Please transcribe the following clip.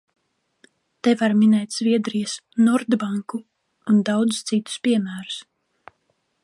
"Te var minēt Zviedrijas "Nordbanku" un daudzus citus piemērus."